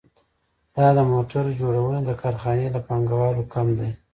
دا د موټر جوړونې د کارخانې له پانګوال کم دی